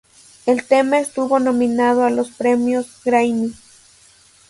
El tema estuvo nominado a dos premios Grammy.